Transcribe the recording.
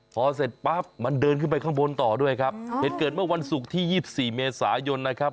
พอเสร็จปั๊บมันเดินขึ้นไปข้างบนต่อด้วยครับเหตุเกิดเมื่อวันศุกร์ที่๒๔เมษายนนะครับ